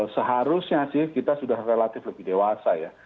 seharusnya sih kita sudah relatif lebih dewasa ya